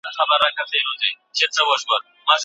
پانګونه د شتمن کېدو یوه غوره لاره ده.